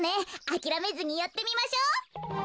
あきらめずにやってみましょう。